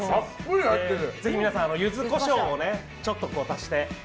ぜひ皆さん、ユズコショウをちょっと足して。